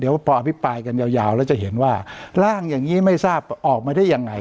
เดี๋ยวพออภิปรายกันยาวแล้วจะเห็นว่าร่างอย่างนี้ไม่ทราบออกมาได้ยังไง